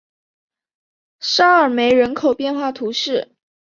沙尔梅人口变化图示